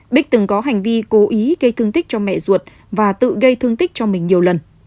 bích từng có hành vi cố ý gây thương tích cho mẹ ruột và tự gây thương tích cho mình nhiều lần